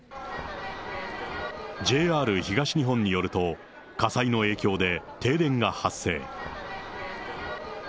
ＪＲ東日本によると、火災の影響で停電が発生。